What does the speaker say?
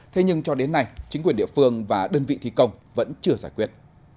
thế nhưng cho đến nay chính quyền địa phương và đơn vị thi công vẫn chưa giải quyết